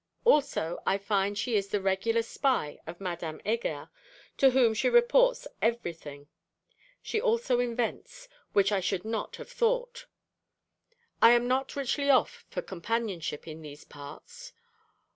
_Also I find she is the regular spy of Madame Heger, to whom she reports everything. Also she invents, which I should not have thought_. I am [not] richly off for companionship in these parts.